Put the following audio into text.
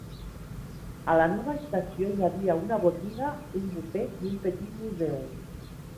A la nova estació hi havia una botiga, un bufet i un petit museu.